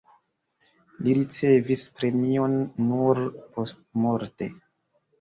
Li ricevis premion nur postmorte.